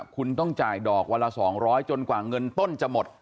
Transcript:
คุณต้องจ่ายดอกวันละ๒๐๐จนกว่าเงินต้นจะหมด